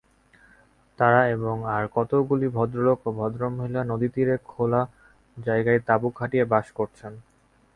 তাঁরা এবং আর কতকগুলি ভদ্রলোক ও ভদ্রমহিলা নদীতীরে খোলা জায়গায় তাঁবু খাটিয়ে বাস করছেন।